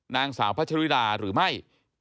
นางสาวพัชริดาหรือไม่